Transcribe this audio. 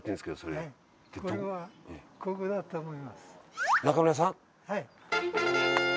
はい。